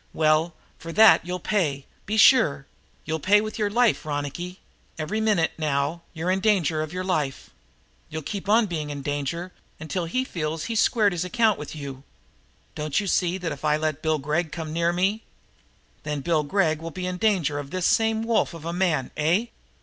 Well, for that you'll pay, be sure! And you'll pay with your life, Ronicky. Every minute, now, you're in danger of your life. You'll keep on being in danger, until he feels that he has squared his account with you. Don't you see that if I let Bill Gregg come near me " "Then Bill will be in danger of this same wolf of a man, eh?